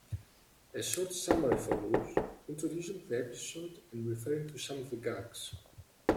A short summary follows, introducing the episode and referring to some of the gags.